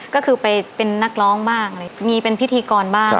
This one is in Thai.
ก็คือไปเป็นนักร้องบ้างอะไรมีเป็นพิธีกรบ้าง